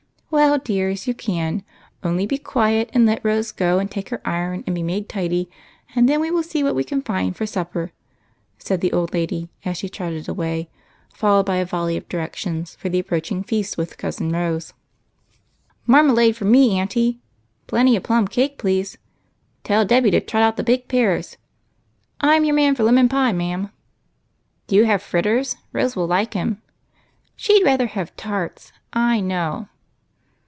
" Well, dears, you can ; only be quiet, and let Rose go and take her iron and be made tidy, and then we will see what we can find for supper," said the old lady as she trotted away, followed by a volley of direc tions for the approaching feast. " Marmalade for me, auntie." " Plenty of plum cake, please." " Tell Debby to trot out the baked pears." _," I 'm your man for lemon pie, ma'am." " Do have fritters ; Rose will like ' em." " She 'd rather have tarts, / know."